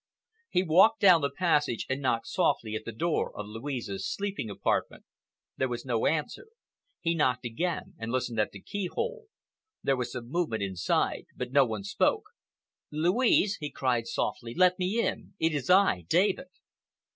He walked down the passage and knocked softly at the door of Louise's sleeping apartment. There was no answer. He knocked again and listened at the key hole. There was some movement inside but no one spoke. "Louise," he cried softly, "let me in. It is I—David."